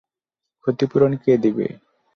ক্ষতিপূরণ কে দেবে?